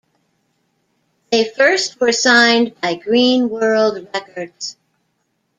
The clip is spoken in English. They first were signed by Green World Records.